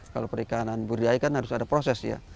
kalau perikanan budidaya kan harus ada proses ya